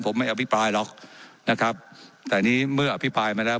ผมไม่อภิปรายหรอกนะครับแต่นี้เมื่ออภิปรายมาแล้ว